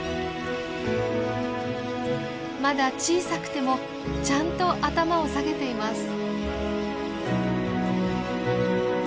まだ小さくてもちゃんと頭を下げています。